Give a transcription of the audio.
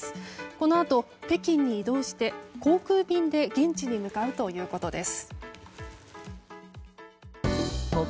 このあと、北京に移動して航空便で現地に向かうということです。